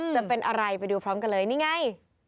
จะเป็นอะไรไปดูพร้อมกันเลยนี่ไง